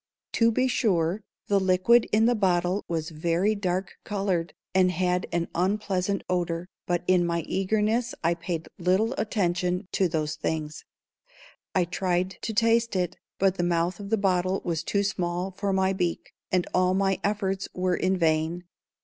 To be sure, the liquid in the bottle was very dark colored, and had an unpleasant odor, but in my eagerness I paid little attention to those things. I tried to taste it, but the mouth of the bottle was too small for my beak, and all my efforts were in vain.